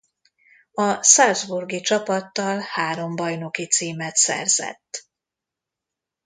A salzburgi csapattal három bajnoki címet szerzett.